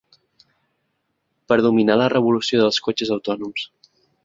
Per dominar la revolució dels cotxes autònoms.